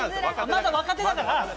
まだ若手だから？